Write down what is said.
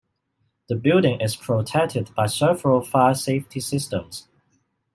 The building is protected by several fire safety systems.